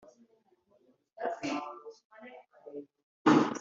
komisariya yagejejweho ibirego irabisuzuma